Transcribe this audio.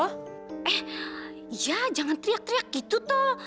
eh ya jangan teriak teriak gitu tuh